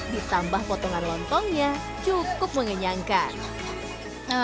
ditambah potongan lontongnya cukup mengenyangkan